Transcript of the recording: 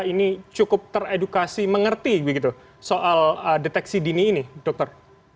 ini cukup teredukasi mengerti begitu soal deteksi dini ini dokter